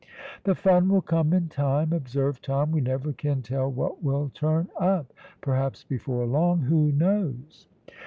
"The fun will come in time," observed Tom. "We never can tell what will turn up perhaps before long who knows?"